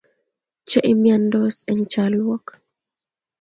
Che miandos eng' chalwok.